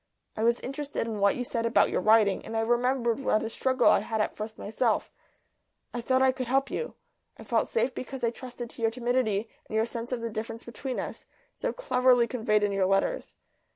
I was interested in what you said about your writing, and I remembered what a struggle I had at first myself; I thought I could help you. I felt safe because I trusted to your timidity and your sense of the difference between us, so cleverly conveyed in your letters.